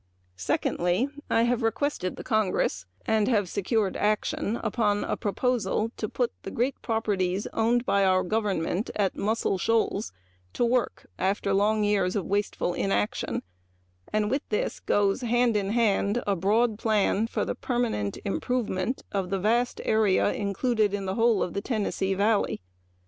Second, I have requested the Congress and have secured action upon a proposal to put the great properties owned by our government at Muscle Shoals to work after long years of wasteful inaction, and with this a broad plan for the improvement of a vast area in the Tennessee Valley.